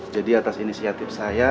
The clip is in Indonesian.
jadi atas inisiatif saya